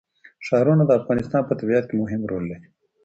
ښارونه د افغانستان په طبیعت کې مهم رول لري.